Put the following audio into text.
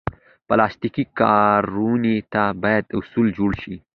پلاستيکي کارونې ته باید اصول جوړ شي.